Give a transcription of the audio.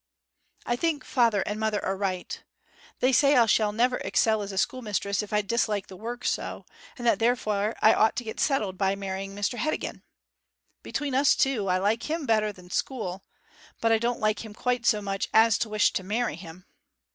I think father and mother are right. They say I shall never excel as a schoolmistress if I dislike the work so, and that therefore I ought to get settled by marrying Mr Heddegan. Between us two, I like him better than school; but I don't like him quite so much as to wish to marry him.'